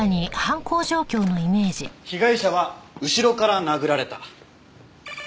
被害者は後ろから殴られた。